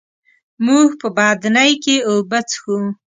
موږ په بدنۍ کي اوبه څښو.